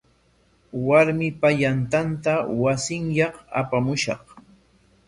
Warmipa yantanta wasinyaq apapushqa.